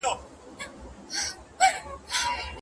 که په دې تعمیر کي هم عدالت نه وي